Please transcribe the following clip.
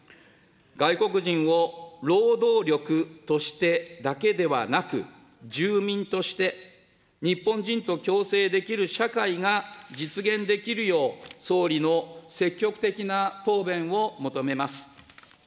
外国人を労働力としてだけではなく、住民として、日本人と共生できる社会が実現できるよう、総理の積極的な答弁を求めます。